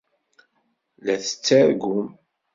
La tettargum.